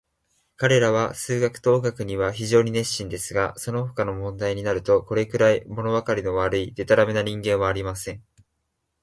彼等は数学と音楽には非常に熱心ですが、そのほかの問題になると、これくらい、ものわかりの悪い、でたらめな人間はありません。